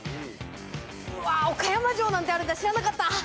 うわ岡山城なんてあるんだ知らなかった。